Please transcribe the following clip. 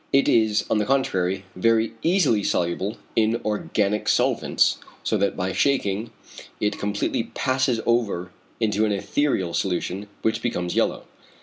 It is, on the contrary, very easily soluble in organic solvents, so that by shaking, it completely passes over into an etherial solution, which becomes yellow.